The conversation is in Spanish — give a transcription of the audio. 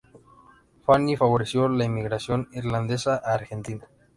Fahy favoreció la inmigración irlandesa a Argentina.